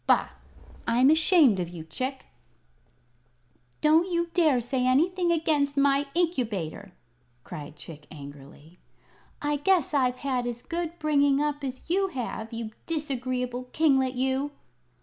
Bah! I'm ashamed of you, Chick!" "Don't you dare say anything against my Incubator!" cried Chick, angrily. "I guess I've had as good bringing up as you have, you disagreeable kinglet, you!"